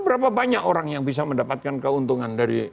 berapa banyak orang yang bisa mendapatkan keuntungan dari